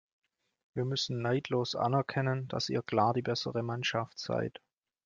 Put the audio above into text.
Wir müssen neidlos anerkennen, dass ihr klar die bessere Mannschaft seid.